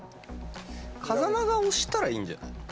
風間が押したらいいんじゃないのか？